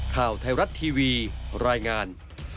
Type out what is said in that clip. ข่าวไทยรัฐทีวีรายงาน